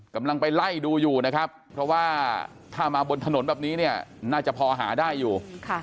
กำลังไปไล่ดูอยู่นะครับเพราะว่าถ้ามาบนถนนแบบนี้เนี่ยน่าจะพอหาได้อยู่